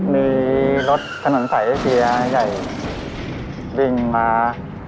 มีรถถนสัยอย่างเกลียใหญ่ดิ่งมา